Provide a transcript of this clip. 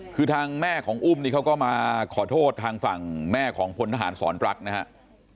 คือทางแม่ของอุ้มนี่เขาก็มาขอโทษทางฝั่งแม่ของพลทหารสอนรักนะครับ